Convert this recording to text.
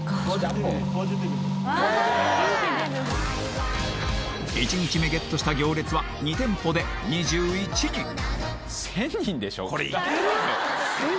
あ１日目ゲットした行列は２店舗で２１人これいける？